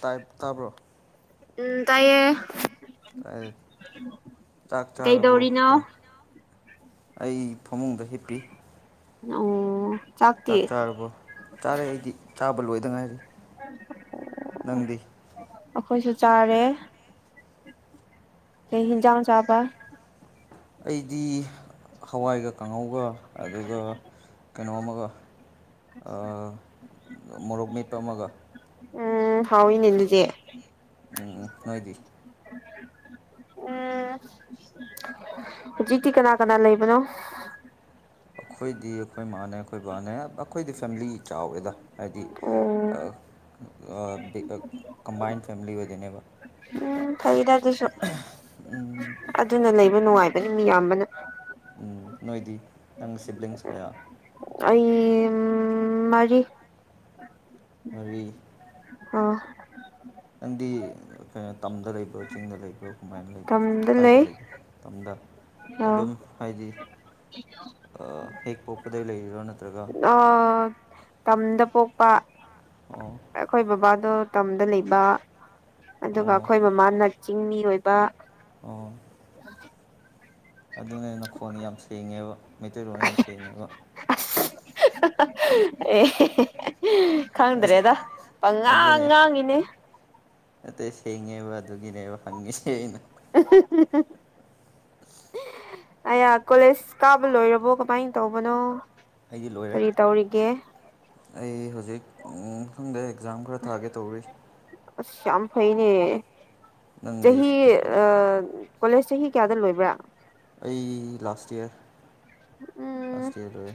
Type ꯇꯥꯕ꯭ꯔꯣ ꯎꯝ ꯇꯥꯏꯌꯦ ꯆꯥꯛ ꯆꯥꯔꯕꯣ ꯀꯩꯗꯧꯔꯤꯅꯣ ꯀꯣ ꯑꯩ ꯐꯃꯨꯡꯗ ꯍꯤꯞꯄꯤ ꯑꯣ ꯆꯥꯛꯇꯤ ꯆꯥꯛ ꯆꯥꯔꯕꯣ ꯆꯥꯔꯦ ꯑꯩꯗꯤ ꯆꯥꯕ ꯂꯣꯏꯗ ꯉꯥꯏꯔꯤ ꯅꯪꯗꯤ ꯑꯩꯈꯣꯏꯁꯨ ꯆꯥꯔꯦ ꯀ ꯍꯖꯎ ꯆꯥꯕ ꯑꯩꯗꯤ ꯍꯋꯥꯏꯒ ꯀꯥꯡꯉꯧꯒ ꯑꯗꯨꯒ ꯀꯩꯅꯣ ꯑꯃꯒ ꯃꯣꯔꯣꯛ ꯃꯦꯠꯄ ꯑꯃꯒ ꯎꯝ ꯍꯥꯎ ꯏꯅꯦꯂꯗꯤꯦ ꯎꯝ ꯎꯝ ꯅꯣꯏꯗꯤ ꯎꯝ ꯍꯧꯖꯤꯛꯇꯤ ꯀꯅꯥ ꯀꯅꯥ ꯂꯩꯕꯅꯣ ꯑꯩꯈꯣꯏꯗꯤ ꯑꯩꯈꯣꯏ ꯃꯥꯅꯦ ꯑꯩꯈꯣꯏ ꯕꯕꯥꯅꯦ ꯑꯩꯈꯣꯏꯗꯤ ꯐꯦꯃꯤꯂꯤ ꯆꯥꯎꯋꯦꯗ ꯍꯥꯏꯗꯤ ꯑꯣ ꯀꯝꯕꯥꯏꯟ ꯐꯦꯃꯤꯂꯤ ꯑꯣꯏꯗꯅꯦꯕ ꯎꯝ ꯐꯩꯗ ꯑꯗꯨꯁꯨ ꯑꯗꯨꯅ ꯂꯩꯕ ꯅꯨꯡꯉꯥꯏꯕꯅꯤ ꯃꯤꯌꯥꯝꯕꯅ ꯎꯝ ꯅꯣꯏꯗꯤ ꯅꯪꯒꯤ ꯁꯤꯕ꯭ꯂꯤꯡꯁ ꯀꯌꯥ ꯑꯩ ꯃꯔꯤ ꯃꯔꯤ ꯑ ꯅꯪꯗꯤ ꯀꯩꯅꯣ ꯇꯝꯗ ꯂꯩꯕ꯭ꯔꯣ ꯆꯤꯡꯗ ꯂꯩꯕ꯭ꯔꯣ ꯀꯃꯥꯏꯅ ꯂꯩꯕ ꯎꯗ ꯂꯩ ꯃꯇꯝꯗ ꯑꯥ ꯑꯗꯨꯝ ꯍꯥꯏꯗꯤ ꯍꯦꯛ ꯄꯣꯛꯄꯗ ꯂꯩꯔꯣ ꯅꯠꯇ꯭ꯔꯒ ꯑꯥ ꯇꯝꯗ ꯄꯣꯛꯄ ꯑꯣ ꯑꯩꯈꯣꯏ ꯕꯕꯥꯗꯣ ꯇꯝꯗ ꯂꯩꯕ ꯑꯣ ꯑꯗꯨꯒ ꯑꯩꯈꯣꯏ ꯃꯃꯥꯅ ꯆꯤꯡꯃꯤ ꯑꯣꯏꯕ ꯑꯣ ꯑꯗꯨꯅꯦ ꯅꯈꯣꯟꯗ ꯌꯥꯝ ꯁꯦꯡꯉꯦꯕ ꯃꯩꯇꯩꯔꯣꯟ ꯌꯥꯝ ꯁꯦꯡꯉꯦꯕ ꯑꯁ ꯑꯦ ꯑꯁ ꯈꯪꯗ꯭ꯔꯦꯗ ꯄꯉꯥꯡ ꯉꯥꯡꯤꯅꯦ ꯑꯇꯩ ꯁꯦꯡꯉꯦꯕ ꯑꯗꯨꯒꯤꯅꯦꯕ ꯍꯪꯉꯤꯁꯦ ꯑꯩꯅ [inaudible] ꯑꯌꯥ ꯀꯣꯂꯦꯖ ꯀꯥꯕ ꯂꯣꯏꯔꯕꯣ ꯀꯃꯥꯏꯅ ꯇꯧꯕꯅꯣ ꯑꯩꯗꯤ ꯂꯣꯏꯔꯦ ꯀꯔꯤ ꯇꯧꯔꯤꯒꯦ ꯑꯩ ꯍꯧꯖꯤꯛ ꯃꯊꯪꯗ ꯑꯦꯛꯖꯥꯝ ꯈꯔ ꯊꯥꯒꯦ ꯇꯧꯔꯤ ꯑꯁ ꯌꯥꯝ ꯐꯩꯅꯦ ꯅꯪꯗꯤ ꯆꯍꯤ ꯀꯣꯂꯦꯖ ꯆꯍꯤ ꯀꯌꯥꯗ ꯂꯣꯏꯕ꯭ꯔꯥ ꯐ ꯂꯥꯁꯇ ꯏꯔ ꯎꯝ ꯂꯥꯁ ꯏꯔ ꯂ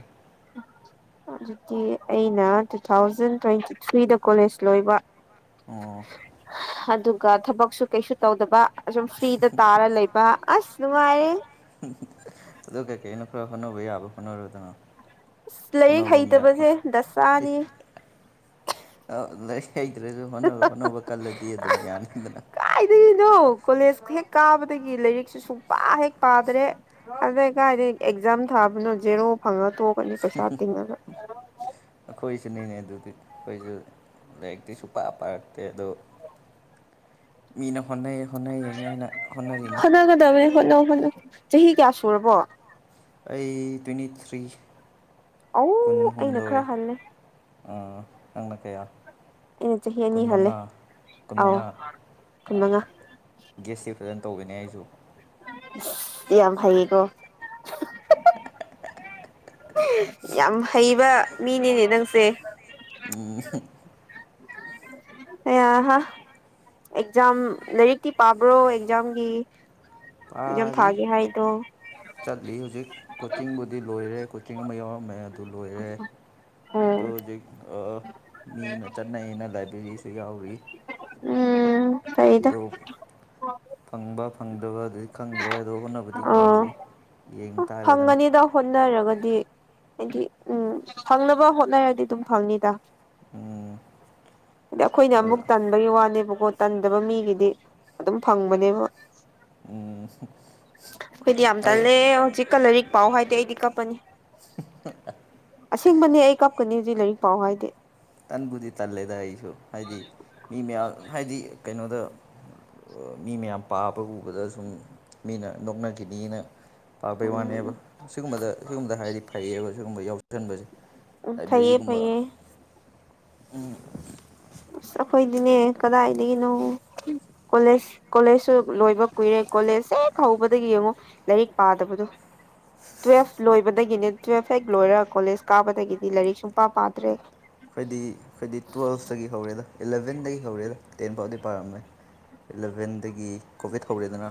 ꯑꯗꯨꯗꯤ ꯑꯩꯅ ꯇꯨ ꯊꯥꯎꯖꯟ ꯇ꯭ꯋꯦꯟꯇꯤ ꯊ꯭ꯔꯤꯗ ꯀꯣꯂꯦꯖ ꯂꯣꯏꯕ ꯑꯣ ꯑꯗꯨꯒ ꯊꯕꯛꯁꯨ ꯀꯩꯁꯨ ꯇꯧꯗꯕ ꯁꯨꯝ ꯐ꯭ꯔꯤꯗ ꯇꯥꯔ ꯂꯩꯕ ꯑꯁ ꯅꯨꯡꯉꯥꯏꯔꯦ ꯑꯗꯨ ꯀꯦ ꯀꯩꯩꯅ ꯈꯔ ꯐꯅꯕ ꯌꯥꯕ ꯐꯅꯔꯗꯅꯣ ꯂꯥꯏꯔꯤꯛ ꯍꯩꯇꯕꯁꯦ ꯗꯥꯅꯤ ꯂꯥꯏꯔꯤꯛ ꯍꯩꯇ꯭ꯔꯁꯨ ꯍꯣꯠꯅꯕ ꯍꯣꯠꯅꯕ ꯀꯜꯂꯗꯤ ꯑꯗꯨꯝ ꯌꯥꯅꯤꯗꯅ ꯀꯣꯂꯦꯖꯀ ꯍꯦꯛ ꯀꯥꯕꯗꯒꯤ ꯂꯥꯏꯔꯤꯛꯁꯨ ꯁꯨꯡꯄꯥ ꯍꯦꯛ ꯄꯥꯗ꯭ꯔꯦ ꯑꯗꯨꯗ ꯀꯥꯏꯗ ꯑꯦꯛꯖꯥꯝ ꯊꯥ ꯕꯅ ꯔꯣ ꯐꯪꯉ ꯇꯨ ꯀꯅꯤ ꯄꯩꯁꯥ ꯇꯤꯡꯉꯒ ꯁꯤꯟꯅꯅꯦꯦ ꯑꯗꯨꯗꯤ ꯑꯩꯈꯣꯏꯁꯨ ꯂꯥꯏꯔꯤꯛꯇꯤ ꯁꯨꯡ ꯄ ꯄꯥꯔꯛꯇꯦ ꯑꯗꯣ ꯃꯤꯅ ꯍꯣꯠꯅꯩ ꯍꯣꯠꯅꯩꯌꯦꯅ ꯑꯩꯅ ꯍꯣꯠꯅꯔꯤꯅꯤ ꯍꯣꯠꯅꯒꯗꯕꯅꯤ ꯍꯣꯠꯅꯧ ꯍꯣꯠꯅꯧ ꯆꯍꯤ ꯀꯌꯥ ꯁꯨꯔꯕꯣ ꯑꯩ ꯇ꯭ꯋꯦꯟꯇꯤ ꯊ꯭ꯔꯤ ꯑ ꯑꯩꯅꯈꯔ ꯍꯜꯅꯦ ꯎꯝ ꯑꯉ ꯀꯌꯥ ꯑꯩꯅ ꯆꯍꯤ ꯑꯅꯤ ꯍꯜꯂꯦ ꯀꯨꯟꯃꯉꯥ ꯑꯥꯎ ꯀꯨꯟꯃꯉꯥ ꯀꯨꯟ ꯃꯉꯥ ꯒꯦꯁꯇꯤ ꯐꯖꯅ ꯇꯧꯕꯅꯦ ꯑꯩꯁꯨ ꯏ ꯌꯥꯝ ꯐꯌꯦꯀꯣ ꯌꯥꯝ ꯍꯩꯕ ꯃꯤꯅꯤꯅꯦ ꯅꯪꯁꯦ ꯎꯝ ꯑꯦꯛꯖꯥꯝ ꯂꯥꯏꯔꯤꯛꯇꯤ ꯄꯥꯕ꯭ꯔꯣ ꯑꯦꯛꯖꯥꯝꯒꯤ ꯑꯦꯛꯖꯥꯝ ꯄꯥꯔꯤ ꯊꯥꯒꯦ ꯍꯥꯏꯗꯣ ꯆꯠꯂꯤ ꯍꯧꯖꯤꯛ ꯀꯣꯆꯤꯡꯕꯨꯗꯤ ꯂꯣꯏꯔꯦ ꯀꯣꯆꯤꯡ ꯑꯃ ꯌꯥꯎꯔꯝꯃꯦ ꯑꯗꯨ ꯂꯣꯏꯔꯦ ꯎꯝ ꯑꯗꯣ ꯍꯧꯖꯤꯛ ꯃꯤꯅ ꯆꯠꯅꯩꯩꯅ ꯂꯥꯏꯕꯔꯤꯁꯨ ꯌꯥꯎꯔꯤ ꯑꯩꯩꯗ ꯑꯗꯣ ꯐꯪꯕ ꯐꯪꯗꯕ ꯑꯗꯨꯗꯤ ꯈꯪꯗ꯭ꯔꯦ ꯑꯗꯣ ꯍꯣꯠꯅꯕꯗꯤ ꯑꯣ ꯍꯣꯠꯅꯔꯏ ꯐꯪꯒꯅꯤꯗ ꯍꯣꯠꯅꯔꯒꯗꯤ ꯍꯥꯏꯗꯤ ꯎꯝ ꯐꯪꯅꯕ ꯍꯣꯠꯅꯔꯗꯤ ꯑꯗꯨꯝ ꯐꯪꯅꯤꯗ ꯎꯝ ꯑꯗ ꯑꯩꯈꯣꯏꯅ ꯑꯃꯨꯛ ꯇꯟꯕꯒꯤ ꯋꯥꯅꯦꯕꯀꯣ ꯇꯟꯗꯕ ꯃꯤꯒꯤꯗꯤ ꯑꯗꯨꯝ ꯐꯪꯕꯅꯦꯕ ꯎꯝ ꯑꯩꯈꯣꯏꯗꯤ ꯌꯥꯝ ꯇꯜꯂꯦ ꯍꯧꯖꯤꯛꯀ ꯂꯥꯏꯔꯤꯛ ꯄꯥꯎ ꯍꯥꯏꯗꯤ ꯑꯩꯗꯤ ꯀꯞꯄꯅꯤ ꯑꯁꯦꯡꯕꯅꯦ ꯑꯩ ꯀꯞꯀꯅꯤ ꯍꯧꯖꯤꯛ ꯂꯥꯏꯔꯤꯛ ꯄꯥꯎ ꯍꯥꯏꯗꯤ ꯇꯟꯕꯨꯗꯤ ꯇꯜꯂꯦꯗ ꯑꯩꯁꯨ ꯍꯥꯏꯗꯤ ꯃꯤ ꯃꯌꯥꯝ ꯍꯥꯏꯗꯤ ꯀꯩꯅꯣꯗ ꯃꯤ ꯃꯌꯥꯝ ꯄꯥꯕ ꯎꯕꯗ ꯁꯨꯝ ꯃꯤꯅ ꯅꯣꯛꯅꯈꯤꯅꯤꯅ ꯄꯥꯕꯩ ꯎꯝ ꯋꯥꯅꯦꯕ ꯁꯤꯒꯨꯝꯕꯗ ꯁꯤꯒꯨꯝꯕꯗ ꯍꯥꯏꯔꯗꯤ ꯐꯩꯌꯦꯕ ꯁꯤꯒꯨꯝꯕ ꯌꯥꯎꯁꯁꯟꯕꯁꯦ ꯈꯩꯌꯦꯦ ꯐꯩꯌꯦ ꯎꯝ ꯑꯁ ꯑꯩꯈꯣꯏꯗꯤꯅꯦ ꯀꯗꯥꯏꯗꯒꯤꯅꯣ ꯀꯣꯂꯦꯖ ꯀꯣꯂꯦꯖꯁꯨ ꯂꯣꯏꯕ ꯀꯨꯏꯔꯦ ꯀꯣꯂꯦꯖ ꯍ ꯍꯦꯛ ꯍꯧꯕꯗꯒꯤ ꯌꯦꯡꯉꯣ ꯂꯥꯏꯔꯤꯛ ꯄꯥꯗꯕꯗꯣ ꯇꯨꯋꯦꯜꯐ ꯂꯣꯏꯕꯗꯒꯤꯅꯦ ꯇꯨꯋꯦꯜꯐ ꯍꯦꯛ ꯂꯣꯏꯔ ꯀꯣꯂꯦꯖ ꯀꯥꯕꯗꯒꯤꯅꯤ ꯂꯥꯏꯔꯤꯛ ꯁꯨꯡꯄꯥ ꯄꯥꯗ꯭ꯔꯦ ꯑꯩꯈꯣꯏꯗꯤ ꯑꯩꯈꯣꯏꯗꯤ ꯇꯨꯋꯦꯜꯐꯇꯒꯤ ꯍꯧꯔꯦꯗ ꯏꯂꯚꯦꯟꯗꯒꯤ ꯍꯧꯔꯦꯗ ꯇꯦꯟ ꯐꯥꯎꯗꯤ ꯄꯥꯔꯝꯃꯦ ꯏꯂꯚꯦꯟꯗꯒꯤ ꯀꯣꯚꯤꯠ ꯍꯧꯔꯦꯗꯅ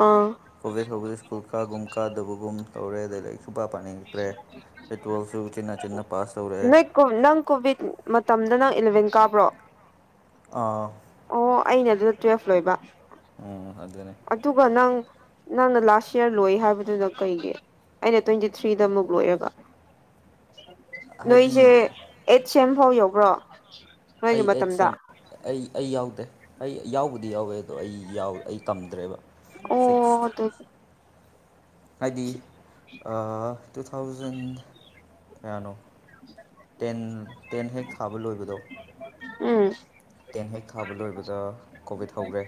ꯑꯥ ꯀꯣꯚꯤꯠ ꯍꯧꯕꯗ ꯁ꯭ꯀꯨꯜ ꯀꯥꯒꯨꯝ ꯀꯥꯗꯕꯒꯨꯝ ꯇꯧꯔꯦ ꯑꯗꯨ ꯁꯨꯕ ꯄꯥꯗ꯭ꯔꯦꯇꯣꯜꯁꯨ ꯆꯤ ꯆꯤ ꯅꯣꯏ ꯅꯪ ꯀꯣꯚꯤꯠ ꯃꯇꯝꯗ ꯅꯪ ꯑꯦꯂꯚꯦꯟ ꯀꯥꯕ꯭ꯔꯣ ꯑꯥ ꯑꯣ ꯑꯩꯅ ꯑꯗꯨꯗ ꯇꯨꯋꯦꯜꯐ ꯂꯣꯏꯕ ꯎꯝ ꯑꯗꯨꯅꯦ ꯑꯗꯨꯒ ꯅꯪ ꯅꯪꯅ ꯂꯥꯁ ꯏꯌꯥꯔ ꯂꯣꯏ ꯍꯥꯏꯕꯗꯨꯗ ꯀꯩꯒꯤ ꯑꯩꯅ ꯇ꯭ꯋꯦꯟꯇꯤ ꯊ꯭ꯔꯤꯗ ꯑꯃꯨꯛ ꯂꯣꯏꯑꯦꯕ ꯍꯥꯏꯗꯤ ꯅꯣꯏꯁꯦ ꯑꯩꯠ ꯁꯦꯝ ꯐꯥꯎ ꯌꯎꯈ꯭ꯔꯣ ꯅꯣꯏꯒꯤ ꯑꯩ ꯑꯩꯠ ꯃꯇꯝꯗ ꯁꯦꯝ ꯑꯩ ꯑꯩ ꯌꯥꯎꯗꯦ ꯑꯩ ꯌꯥꯎꯕꯗꯤ ꯌꯥꯎꯋꯦ ꯑꯗꯣ ꯑꯩ ꯑꯩ ꯀꯝꯗ꯭ꯔꯦꯕ ꯑꯣ ꯑꯗꯨ ꯍꯥꯏꯗꯤ ꯇꯨ ꯊꯥꯎꯖꯟ ꯀꯌꯥꯅꯣ ꯇꯦꯟ ꯇꯦꯟ ꯍꯦꯛ ꯍꯥꯥꯕ ꯂꯣꯏꯕꯗꯣ ꯎꯝ ꯄ ꯍꯦꯛ ꯊꯥꯕ ꯂꯣꯏꯕꯗ ꯀꯣꯚꯤꯠ ꯍꯧꯈꯔꯦ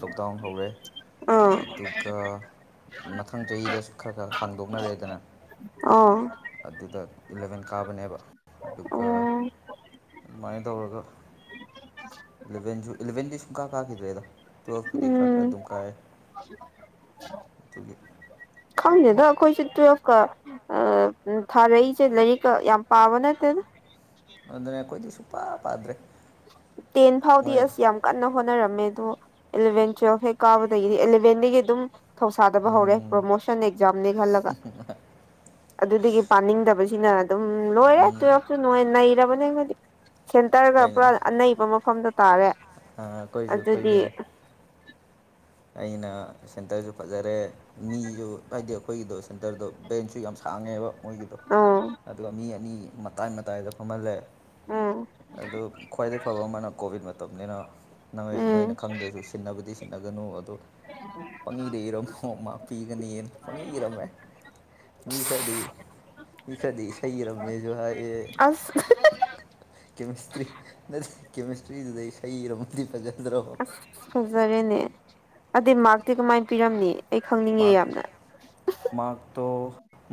ꯂꯣꯛꯗꯥꯎꯟ ꯍꯧꯔꯦ ꯑꯥ ꯑꯗꯨꯒ ꯃꯊꯪ ꯆꯍꯤꯗꯁꯨ ꯈꯔ ꯈꯔ ꯍꯥꯡꯗꯣꯛꯅꯔꯦꯗꯅ ꯑ ꯑꯗꯨꯗ ꯏꯂꯚꯦꯟ ꯀꯥꯕꯅꯦꯕ ꯑꯗꯨꯒ ꯑꯣ ꯑꯗꯨꯃꯥꯏꯅ ꯇꯧꯔꯒ ꯏꯂꯚꯦꯟꯖꯨ ꯏꯂꯚꯦꯟꯖꯨ ꯁꯨꯡ ꯀꯥ ꯀꯥꯈꯤꯗ꯭ꯔꯦꯗ ꯇ ꯇꯗꯤ ꯈ ꯎꯝ ꯑꯗꯨꯝ ꯀꯥꯏꯒꯤ ꯈꯪꯗꯦꯗ ꯑꯩꯈꯣꯏꯁꯦ ꯇꯨꯋꯦꯜꯐꯀ ꯊꯥꯔꯛꯏꯁꯦ ꯂꯥꯏꯔꯤꯛꯀ ꯌꯥꯝ ꯄꯥꯕ ꯅꯠꯇꯦꯅ ꯑꯗꯨꯗꯅ ꯑꯩꯈꯣꯏꯗꯤ ꯁꯨꯡꯄꯥ ꯄꯥꯗ꯭ꯔꯦ ꯇꯦꯟ ꯐꯥꯎꯗꯤ ꯃꯣꯏ ꯑꯁ ꯌꯥꯝ ꯀꯟꯅ ꯍꯣꯠꯅꯔꯝꯃꯦ ꯑꯗꯣ ꯏꯂꯚꯦꯟ ꯇ꯭ꯋꯦꯜꯐ ꯍꯦ ꯀꯥꯕ ꯏꯂꯦꯟꯗꯤꯒꯤ ꯑꯗꯨꯝ ꯊꯧꯁꯥꯗꯕ ꯍꯧꯔꯦ ꯄ꯭ꯔꯣꯃꯣꯁꯟ ꯑꯦꯛꯖꯥꯝꯅꯤ ꯈꯜꯂꯒ ꯑꯗꯨꯗꯒꯤ ꯄꯥꯅꯤꯡꯗꯕ ꯁꯤꯅ ꯑꯗꯨꯝ ꯂꯣꯏꯔꯦ ꯇꯨꯋꯁꯨ ꯅ ꯅꯩꯔꯕꯅꯦꯗꯤ ꯁꯦꯟꯇꯔ ꯍꯣꯏꯅꯦ ꯄꯨꯔꯥ ꯑꯅꯩꯕ ꯃꯐꯝꯗ ꯇꯥꯔꯦ ꯑꯩꯈꯣꯏꯁꯨ ꯑꯗꯨꯗꯤ ꯑꯩꯈꯣꯏꯁꯨꯅꯦ ꯑꯩꯅ ꯁꯦꯟꯇꯔꯁꯨ ꯐꯖꯔꯦ ꯃꯤꯁꯨ ꯍꯥꯏꯗꯤ ꯑꯩꯈꯣꯏꯒꯤꯗꯣ ꯁꯦꯟꯇꯔꯗꯣ ꯕꯦꯟꯁꯁꯨ ꯌꯥꯝ ꯁꯥ ꯍꯥꯡꯉꯦꯕ ꯃꯣꯏꯒꯤꯗꯣ ꯑꯣ ꯑꯗꯨꯒ ꯃꯤ ꯑꯅꯤ ꯃꯇꯥꯏ ꯃꯇꯥꯏꯗ ꯐꯝꯍꯜꯂꯦ ꯎꯝ ꯑꯗꯨ ꯈ꯭ꯋꯥꯏꯗꯒꯤ ꯐꯕ ꯑꯃꯅ ꯀꯣꯚꯤꯠ ꯃꯇꯝꯅꯤꯅ ꯅꯣꯏ ꯎꯝ ꯅꯣꯏꯅ ꯈꯪꯗ꯭ꯔꯁꯨ ꯁꯤꯟꯅꯕꯨꯗꯤ ꯁꯤꯠꯟꯅꯒꯅꯨ ꯄꯪꯏꯗ ꯏꯔꯝꯃꯣꯃꯥ ꯄꯤꯒꯅꯤꯅ ꯄꯪꯏ ꯏꯔꯝꯃꯦ ꯃꯤ ꯈꯗꯤ ꯃꯤ ꯈꯗꯤ ꯏꯁꯩ ꯏꯔꯝꯃꯦꯁꯨ ꯍꯥꯏꯌꯦ ꯑꯁ ꯀꯦꯃꯤꯁꯇ꯭ꯔꯤ ꯅꯁ ꯀꯦꯃꯤꯁꯇ꯭ꯔꯤꯗꯨꯗꯩ ꯍꯩꯔꯝꯕꯨꯗꯤ ꯐꯖꯩꯦ ꯑꯁ ꯐꯖꯔꯦꯅꯦ ꯑꯗꯩ ꯃꯥꯔꯛꯇꯤ ꯀꯃꯥꯏꯅ ꯄꯤꯔꯝꯅꯤ ꯑꯩ ꯈꯪꯅꯤꯡꯉꯦ ꯃꯥꯒ ꯌꯥꯝꯅ ꯃꯥꯒ ꯇꯣ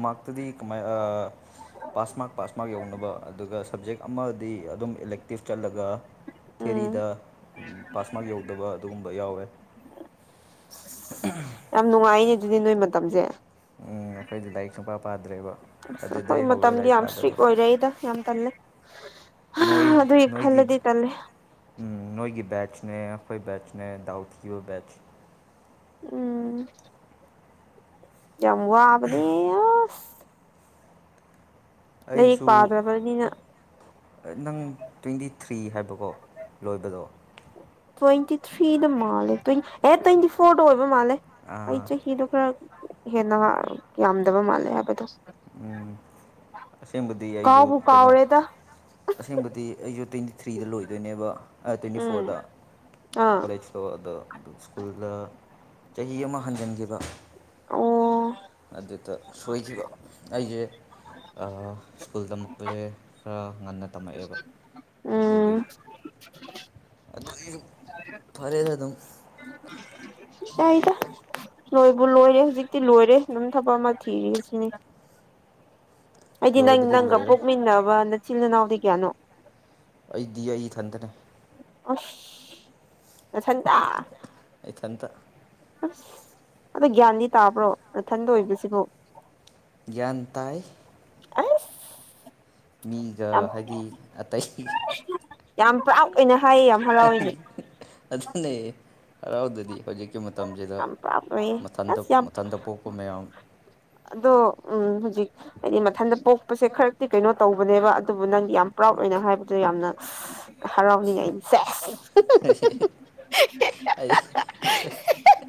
ꯃꯥꯛꯇꯨꯗꯤ ꯀꯃꯥꯏ ꯑ ꯄꯥꯁ ꯃꯥꯛ ꯄꯥꯁ ꯃꯥꯛ ꯌꯧꯅꯕ ꯑꯗꯨꯒ ꯁꯞꯖꯦꯛ ꯑꯃꯗꯤ ꯑꯗꯨꯝ ꯏꯂꯦꯛꯇꯤꯞ ꯆꯠꯂꯒ ꯎꯝ ꯊꯦꯔꯤꯗ ꯄꯥꯁꯃꯥꯔꯛ ꯌꯧꯗꯕ ꯑꯗꯨꯒꯨꯝꯕ ꯌꯥꯎꯋꯦ꯫ [unintelligible] ꯌꯥꯝ ꯅꯨꯡꯉꯥꯏꯅꯦ ꯗꯨꯗꯤ ꯅꯣꯏ ꯃꯇꯝꯁꯦ꯫ ꯎꯝ ꯑꯩꯈꯣꯏꯗꯤ ꯂꯥꯏꯔꯤꯛ ꯁꯡꯄꯥ ꯄꯥꯗ꯭ꯔꯦꯕꯣ꯫ ꯑꯈꯣꯏ ꯃꯇꯝꯗꯤ ꯌꯥꯝ ꯏꯁꯇ꯭ꯔꯤꯛ ꯑꯣꯏꯔꯩꯗ ꯌꯥꯝ ꯇꯜꯂꯦ꯫ ꯍꯥ ꯅꯣꯏ ꯑꯗꯨꯏ ꯅꯣꯏꯒꯤ ꯈꯜꯂꯗꯤ ꯇꯜꯂꯦ꯫ ꯎꯝ ꯅꯣꯏꯒꯤ ꯕꯦꯆꯅꯦ ꯈꯣꯏꯕꯦꯆꯅꯦ ꯗꯥꯎ ꯊꯤꯕ ꯕꯦꯆ꯫ ꯎꯝ ꯌꯥꯃ ꯋꯥꯕꯅꯦ ꯑꯁ ꯂꯥꯏꯔꯤꯛ ꯑꯩꯁꯨ ꯄꯥꯗꯔꯕꯅꯤꯅ ꯅꯪ ꯇ꯭ꯋꯦꯟꯇꯤ ꯊ꯭ꯔꯤ ꯍꯥꯏꯕꯀꯣ ꯂꯣꯏꯕꯗꯣ꯫ ꯇ꯭ꯋꯦꯟꯇꯤ ꯊ꯭ꯔꯤꯗ ꯃꯥꯜꯂꯦ ꯇ꯭ꯋ ꯑꯦ ꯇ꯭ꯋꯦꯟꯇꯤ ꯐꯣꯔꯗ ꯑꯣꯏꯕ ꯃꯥꯜꯂꯦ ꯑꯩ ꯑꯥ, ꯆꯍꯤꯗꯣ ꯈꯔ ꯍꯦꯟꯅ ꯌꯥꯝꯗꯕ ꯃꯥꯜꯂꯦ ꯍꯥꯏꯕꯗꯣ꯫ ꯎꯝ ꯑꯁꯦꯡꯕꯗꯤ ꯑꯩꯁꯨ ꯀꯥꯎꯕꯨ ꯀꯩꯅꯣ ꯀꯥꯎꯔꯦꯗ ꯑꯁꯦꯡꯕꯗꯤ ꯑꯩꯁꯨ ꯊ꯭ꯔꯤꯗ ꯂꯣꯏꯗꯣꯏꯅꯦꯕ ꯑꯩ ꯇ꯭ꯋꯦꯟꯇꯤ ꯎꯝ ꯐꯣꯔꯗ ꯑꯥ ꯀꯣꯂꯦꯖꯇꯣ ꯑꯗ ꯁ꯭ꯀꯨꯜ [unintelligible] ꯆꯍꯤ ꯑꯃ ꯍꯟꯖꯟꯈꯤꯕ꯫ ꯑꯣ ꯑꯗꯨꯗ ꯁꯣꯏꯈꯤꯕ ꯑꯩꯖꯦ ꯑ ꯁ꯭ꯀꯨꯜ ꯇꯝꯃꯛꯄꯁꯦ ꯈꯔ ꯉꯟꯅ ꯇꯝꯃꯛꯑꯦꯕ ꯎꯝ ꯑꯗꯨꯏꯁꯨ ꯐꯔꯦꯗ ꯗꯨꯝ꯫ ꯌꯥꯏꯗ ꯂꯣꯏꯕꯨ ꯂꯣꯏꯔꯦ ꯍꯨꯖꯤꯛꯇꯤ ꯂꯣꯏꯔꯦ ꯗꯨꯝ ꯊꯕꯛ ꯑꯃ ꯊꯤꯔꯤ ꯁꯤꯅꯤ꯫ ꯑꯩꯗꯤ ꯅꯪ ꯂꯣꯏꯕꯗꯤ ꯅꯪꯒ ꯂꯣꯏꯔꯦ ꯄꯣꯛꯃꯤꯟꯅꯕ ꯅꯆꯤꯜ ꯏꯅꯥꯎꯗꯤ ꯀꯌꯥꯅꯣ? ꯑꯩꯗꯤ ꯑꯩ ꯏꯊꯟꯗꯅꯦ꯫ ꯑꯁ ꯅꯊꯟꯇꯥ ꯏꯊꯟꯇ꯫ ꯑꯁ ꯑꯗꯣ ꯒ꯭ꯌꯥꯟꯗꯤ ꯇꯥꯕ꯭ꯔꯣ ꯅꯊꯟꯗ ꯑꯣꯏꯕꯁꯤꯕꯨ? ꯒ꯭ꯥꯟꯇꯥꯏ꯫ ꯑꯁ ꯃꯤꯒ ꯌꯥꯝ ꯍꯥꯏꯗꯤ ꯑꯇꯩ ꯌꯥꯝ ꯄ꯭ꯔꯥꯎꯠ ꯑꯣꯏꯅ ꯍꯥꯏꯌꯦ ꯌꯥꯝ ꯍꯔꯥꯎꯋꯤꯅꯦ [unintelligible] ꯍꯔꯥꯎꯗꯗꯤ ꯍꯧꯖꯤꯛ [unintelligible] ꯃꯇꯝꯁꯤꯗ ꯌꯥꯝ ꯄ꯭ꯔꯥꯎꯠ ꯑꯣꯏꯌꯦ ꯃꯊꯟꯇ ꯑꯁ ꯌꯥꯝ ꯃꯊꯟꯇ ꯄꯣꯛꯄ ꯃꯌꯥꯝ ꯑꯗꯣ ꯎꯝ ꯍꯧꯖꯤꯛ ꯍꯥꯏꯗꯤ ꯃꯊꯟꯇ ꯄꯣꯛꯄꯁꯦ ꯈꯔꯛꯇꯤ ꯀꯩꯅꯣ ꯇꯧꯕꯅꯦꯕ ꯑꯗꯨꯕꯨ ꯅꯪꯗꯤ ꯌꯥꯝ ꯄ꯭ꯔꯥꯎꯠ ꯑꯣꯏ ꯑꯩꯅ ꯍꯥꯏꯕꯗ ꯌꯥꯝꯅ ꯍꯔꯥꯎꯅꯤꯡꯉꯥꯏꯅꯤ ꯁꯦꯖ [unintelligible]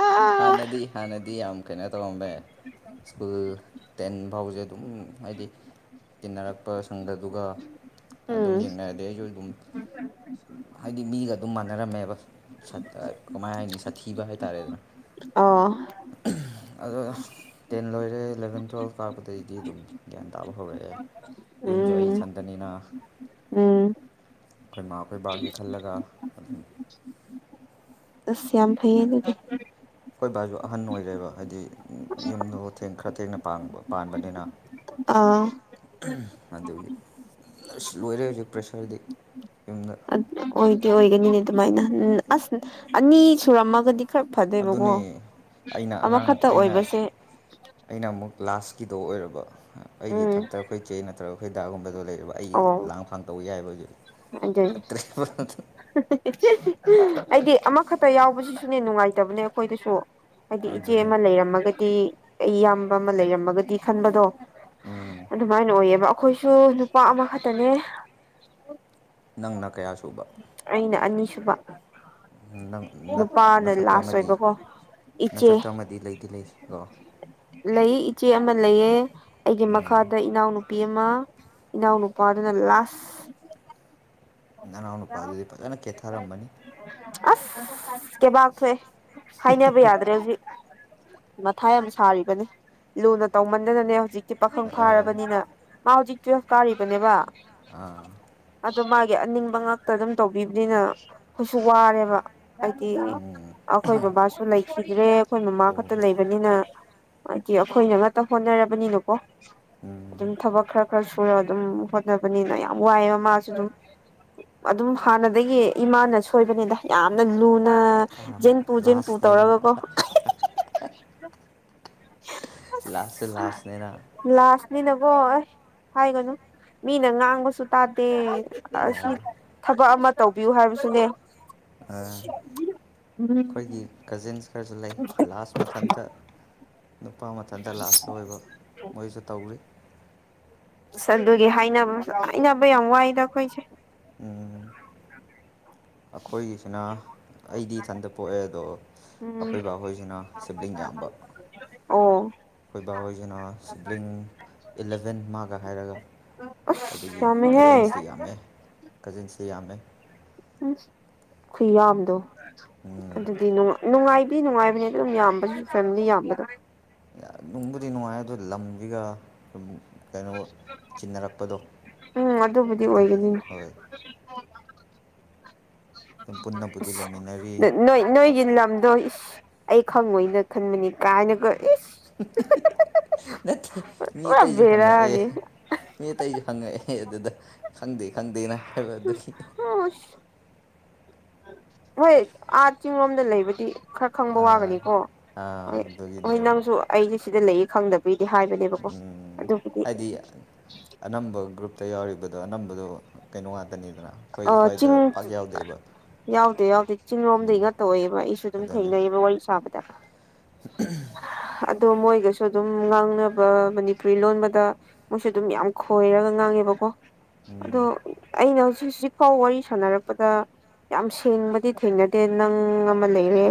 ꯑꯥ ꯍꯥꯟꯅꯗꯤ ꯍꯥꯟꯅꯗꯤ ꯌꯥꯝ ꯀꯩꯅꯣ [unintelligible] ꯁ꯭ꯀꯨꯜ ꯇꯦꯟ ꯐꯥꯎꯁꯦ ꯑꯗꯨꯝ ꯍꯥꯏꯗꯤ ꯇꯤꯟꯅꯔꯛꯄ ꯁꯪꯗꯗꯨꯒ ꯎꯝ ꯑꯗꯨꯝ ꯌꯦꯡꯅꯔꯗꯤ ꯑꯩꯁꯨ ꯑꯗꯨꯝ ꯍꯥꯏꯗꯤ ꯃꯤꯒ ꯑꯗꯨꯝ ꯃꯥꯟꯅꯔꯝꯃꯦꯕ ꯁꯠ ꯀꯃꯥꯏ ꯍꯥꯏꯅꯤ ꯁꯥꯊꯤꯕ ꯍꯥꯏꯇꯥꯔꯦꯗꯅ꯫ ꯑꯣ ꯑꯗꯣ ꯇꯦꯟ ꯂꯣꯏꯔꯦ ꯏꯂꯚꯦꯟ ꯇꯨꯌꯦꯜꯐ ꯀꯥꯄꯗꯩꯩꯗꯤ ꯑꯗꯨꯝ ꯒ꯭ꯌꯥꯟ ꯇꯥꯕ ꯍꯧꯔꯛꯑꯦ꯫ ꯌꯨꯝꯖꯣ ꯑꯩ ꯎꯝ ꯏꯊꯟꯇꯅꯤꯅ ꯎꯝ ꯈꯣꯏꯃꯥ ꯈꯣꯏꯕꯥꯒꯤ ꯈꯜꯂꯒ ꯑꯗꯨꯝ ꯑꯁ ꯌꯥꯝ ꯐꯩꯌꯦꯅꯦꯗꯤ ꯍꯣꯏ ꯕꯥꯁꯨ ꯑꯍꯟ ꯑꯣꯏꯔꯦꯕ ꯍꯥꯏꯗꯤ ꯌꯨꯝꯗ ꯊꯦꯡ ꯈꯔ ꯊꯦꯡꯅ ꯄꯥꯟ ꯄꯥꯟꯕꯅꯤꯅ꯫ ꯑꯥ [unintelligible] ꯑꯗꯒꯤ ꯑꯁ ꯂꯣꯏꯔꯦ ꯍꯧꯖꯤꯛ ꯄ꯭ꯔꯦꯁꯔꯗꯤ ꯌꯨꯝꯗ ꯑꯣꯏꯗꯤ ꯑꯣꯏꯒꯅꯤꯅꯦ ꯑꯗꯨꯃꯥꯏꯅ ꯎꯝ ꯑꯁ ꯑꯅꯤ ꯁꯨꯔꯝꯃꯒꯗꯤ ꯈꯔ ꯐꯗꯦꯕꯀꯣ ꯑꯗꯨꯅꯦ ꯑꯩꯅ ꯑꯉꯥꯡ ꯑꯃꯈꯛꯇ ꯑꯩꯅ ꯑꯣꯏꯕꯁꯦ ꯑꯩꯅ ꯑꯃꯨꯛ ꯂꯥꯁꯀꯤꯗꯣ ꯑꯣꯏꯔꯕ ꯑꯩꯒꯤ ꯎꯝ ꯏꯊꯛꯇ ꯑꯩꯈꯣꯏ ꯆꯦ ꯅꯠꯇ꯭ꯔꯒ ꯑꯩꯈꯣꯏ ꯗꯥꯒꯨꯝꯕꯗꯣ ꯂꯩ ꯑꯩ ꯂꯥꯡ ꯐꯥꯡ ꯇꯧ ꯌꯥꯏ ꯍꯥꯏꯕ ꯑꯗꯨꯗ ꯑꯩꯗꯤ ꯑꯃꯈꯛꯇ ꯌꯥꯎꯕꯁꯤꯁꯨꯅꯦ ꯅꯨꯡꯉꯥꯏꯇꯕꯅꯦ ꯑꯩꯈꯣꯏꯗꯁꯨ ꯍꯥꯏꯗꯤ ꯏꯆꯦ ꯑꯗꯨꯅꯦ ꯑꯃ ꯂꯩꯔꯝꯃꯒꯗꯤ ꯑꯩ ꯏꯌꯥꯝꯕ ꯑꯃ ꯂꯩꯔꯝꯃꯒꯗꯤ ꯈꯟꯕꯗꯣ ꯎꯝ ꯑꯗꯨꯃꯥꯏꯅ ꯑꯣꯏꯌꯦꯕ ꯑꯩꯈꯣꯏꯁꯨ ꯅꯨꯄꯥ ꯑꯃꯈꯛꯇꯅꯦ ꯅꯪꯅ ꯀꯌꯥ ꯑꯩꯅ ꯑꯅꯤꯁꯨꯕ ꯅꯨꯄꯥꯅ ꯅꯐꯛꯇ ꯂꯥꯁ ꯑꯃꯗꯤ ꯑꯣꯏꯕꯀꯣ ꯅ ꯏꯆꯦ ꯁꯠꯇ꯭ꯔ ꯑꯃꯗꯤ ꯂꯩꯗꯤ ꯂꯩ ꯀꯣ ꯂꯩ ꯏꯆꯦ ꯑꯃ ꯂꯩꯌꯦ ꯑꯩꯒꯤ ꯎꯝ ꯃꯈꯥꯗ ꯏꯅꯥꯎꯅꯨꯄꯤ ꯑꯃ ꯏ ꯎꯅ ꯄ ꯑꯗꯨꯅ ꯂ ꯅꯅꯥꯎ [inaudible] ꯅꯨꯄꯥꯗꯨꯗꯤ ꯐꯖꯅ ꯀꯦꯊꯔꯝꯃꯅꯤ [unintelligible] ꯀꯦꯕꯥꯛ ꯊꯣꯛꯑꯦ ꯍꯥꯏꯅꯕ ꯌꯥꯗ꯭ꯔꯦ ꯍꯧꯖꯤꯛ ꯃꯊꯥꯏ ꯌꯥꯝ ꯁꯥꯔꯤꯕꯅꯤ ꯂꯨꯅ ꯇꯧꯃꯟꯗꯅꯅꯦ ꯍꯧꯖꯤꯛꯇꯤ ꯄꯥꯈꯪ ꯑꯥ ꯐꯥꯔꯕꯅꯤꯅ ꯃꯥ ꯍꯧꯖꯤꯛ ꯇꯨꯋꯦꯜꯐ ꯀꯥꯔꯤꯕꯅꯦꯕ ꯑꯥ ꯑꯗꯣ ꯃꯥꯒꯤ ꯑꯅꯤꯡꯕ ꯉꯥꯛꯇ ꯑꯗꯨꯝ ꯇꯧꯕꯤꯕꯅꯤꯅ ꯑꯩꯈꯣꯏꯁꯨ ꯋꯥꯔꯦꯕ ꯍꯥꯏꯗꯤ ꯎꯝ ꯑꯩꯈꯣꯏ ꯕꯕꯥꯁꯨ ꯂꯩꯈꯤꯗ꯭ꯔꯦ ꯑꯩꯈꯣꯏ ꯃꯃꯥ ꯑꯣ ꯈꯛꯇ ꯂꯩꯕꯅꯤꯅ ꯍꯥꯏꯗꯤ ꯑꯩꯈꯣꯏꯅ ꯉꯇ ꯍꯣꯠꯅꯔꯕꯅꯤꯅꯀꯣ ꯎꯝ ꯑꯗꯨꯝ ꯊꯕꯛ ꯈꯔ ꯈꯔꯁꯨ ꯄꯨꯔ ꯑꯗꯨꯝ ꯍꯣꯠꯅꯕꯅꯤꯅ ꯌꯥꯝ ꯋꯥꯏꯑꯦꯕ ꯃꯥꯁꯨ ꯑꯗꯨꯝ ꯑꯗꯨꯝ ꯍꯥꯟꯅꯗꯒꯤ ꯏꯃꯥꯅ ꯁꯣꯏꯕꯅꯤꯅ ꯌꯥꯝꯅ ꯂꯨꯅ ꯅ ꯖꯦꯟ ꯄꯨ ꯖꯦꯟ ꯄꯨ ꯂꯥꯁꯅꯦꯅ ꯇꯧꯔꯒꯀꯣ ꯑꯁ ꯂꯥꯁꯦ ꯂꯥꯁꯅꯦꯅ ꯑꯣ ꯑꯩꯁ ꯍꯥꯏꯒꯅꯨ ꯃꯤꯅ ꯉꯥꯡꯕꯁꯨ ꯇꯥꯗꯦ ꯑꯁꯤ ꯊꯕ ꯑꯃ ꯇꯧꯕꯤꯌꯨ ꯍꯥꯏꯕꯁꯨꯅꯦ ꯑ ꯎꯝ ꯑꯩꯈꯣꯏꯒꯤ ꯀꯖꯤꯟꯁ ꯈꯔꯁꯨ ꯂꯩ ꯂꯥꯁ ꯃꯊꯟꯇ ꯅꯨꯄꯥ ꯃꯊꯟꯇ ꯂꯥꯁꯇ ꯑꯣꯏꯕ ꯃꯣꯏꯁꯨ ꯇꯧꯔꯤ ꯑꯁ ꯑꯗꯨꯒꯤ ꯍꯥꯏꯅꯕ ꯍꯥꯏꯅꯕ ꯌꯥꯝ ꯋꯥꯏꯗ ꯑꯩꯈꯣꯏꯁꯦ ꯑꯈꯣꯏꯒꯤꯁꯤꯅ ꯑꯩꯗꯤ ꯏꯊꯟꯇ ꯄꯣꯛꯑꯦ ꯑꯗꯣ ꯎꯝ ꯑꯩꯈꯣꯏ ꯕꯥ ꯍꯣꯏꯁꯤꯅ ꯁꯤꯕ꯭ꯂꯤꯡ ꯌꯥꯝꯕ ꯑꯣ ꯑꯩꯈꯣꯏ ꯕꯥ ꯍꯣꯏꯁꯤꯅ ꯁꯕ꯭ꯂꯤꯡ ꯏꯂꯚꯦꯟ ꯃꯥꯒ ꯍꯥꯏꯔꯒ ꯑꯁ ꯑꯗꯨꯒꯤ ꯌꯥꯝꯃꯦꯍꯦ ꯀꯖꯤꯟꯁꯤꯇ ꯌꯥꯝꯃꯦ ꯀꯖꯤꯟꯁꯤꯇ ꯌꯥꯝꯃꯦ ꯎꯝ ꯈꯨꯨꯌꯥꯝꯗꯣ ꯑꯗꯨꯗꯤ ꯅꯨꯡꯉꯥꯏ ꯐ ꯅꯨꯡꯉꯥꯏꯕꯅꯦ ꯑꯗꯨ ꯑꯗꯨꯝ ꯌꯥꯝꯕꯒꯤ ꯐꯦꯃꯤꯂꯤ ꯌꯥꯝꯕꯗꯣ ꯅꯨꯡꯕꯨꯗꯤ ꯅꯨꯡꯉꯥꯏ ꯑꯗꯨ ꯂꯝꯕꯤꯒ ꯀꯩꯅꯣ ꯆꯤꯟꯅꯔꯛꯄꯗꯣ ꯎꯝ ꯑꯗꯨꯕꯨꯗꯤ ꯑꯗꯨꯒꯤ ꯑꯣꯏꯒꯅꯤꯅꯦ ꯍꯣꯏ ꯄꯨꯟꯅꯅ ꯄꯨꯖꯤ ꯑꯁ ꯅꯣꯏ ꯅꯣꯏꯒꯤ ꯂꯝꯗꯣ ꯑꯩ ꯈꯪꯉꯣꯏꯅ ꯈꯟꯕꯅꯤ ꯀꯥꯏꯅ ꯅꯠꯇꯦ ꯃꯤ ꯄꯨꯔꯥ ꯑꯇꯩꯁꯨ ꯍꯪꯉꯛ ꯑꯦ ꯕꯦꯔꯥꯅꯤ ꯃꯤ ꯑꯇꯩꯁꯨ ꯈꯪꯉꯛꯑꯦ ꯑꯗꯨꯗ ꯈꯪꯗꯦ ꯈꯪꯗꯦꯅ ꯍꯥꯏꯕ ꯑꯗꯨꯒꯤ [inaudible] ꯍꯣꯏ ꯑꯥ ꯆꯤꯡꯂꯣꯝꯗ ꯂꯩꯕꯗꯤ ꯈꯔ ꯈꯪꯕ ꯋꯥꯒꯅꯤꯀꯣ ꯍ ꯍꯣꯏ ꯑꯗꯨꯒꯤꯅꯦꯕ ꯅꯪꯁꯨ ꯑꯩꯁꯦ ꯁꯤꯗ ꯂꯩꯌꯦ ꯈꯪꯗꯕ ꯑꯗꯨꯗꯤ ꯍꯥꯏꯕꯅꯦꯕꯀꯣ ꯑꯗꯨꯕꯨꯗꯤ ꯑꯗꯨ ꯑ ꯌꯥꯎꯔꯤꯕꯗꯣ ꯑꯅꯝꯕꯗꯣ ꯀꯩꯅꯣ ꯉꯥꯛꯇꯅꯤꯗꯅ ꯑꯩꯈꯣꯏ ꯁ꯭ꯋꯥꯏꯗ ꯆꯤꯡ ꯄꯥꯛ ꯌꯥꯎꯗꯦꯕ ꯌꯥꯎꯗꯦ ꯌꯥꯎꯗꯦ ꯆꯤꯡꯂꯣꯝꯗꯩꯒ ꯇꯧꯑꯦꯕ ꯑꯩꯁꯨ ꯑꯗꯨꯝ ꯑꯗꯨꯅꯤ ꯊꯦꯡꯅꯩꯑꯕ ꯋꯥꯔꯤ ꯁꯥꯕꯗ [inaudible] ꯑꯗꯣ ꯃꯣꯏꯒꯁꯨ ꯑꯗꯨꯝ ꯉꯥꯡꯅꯕ ꯃꯅꯤꯄꯨꯔꯤ ꯂꯣꯟꯕꯗ ꯃꯣꯏꯁꯨ ꯑꯗꯨꯝ ꯌꯥꯝ ꯈꯣꯏꯔꯒ ꯉꯥꯡꯉꯦꯕꯀꯣ ꯑꯗꯣ ꯑꯩꯅ ꯍꯧꯖꯤꯛ ꯍꯧꯖꯤꯛ ꯐꯥꯎ ꯋꯥꯔꯤ ꯁꯥꯟꯅꯔꯛꯄꯗ ꯌꯥꯝ ꯁꯦꯡꯕꯗꯤ ꯊꯦꯡꯅꯗꯦ ꯅꯪ ꯑꯃ ꯂꯩꯔꯦ